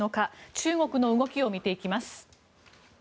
中国の動きを見ていきます。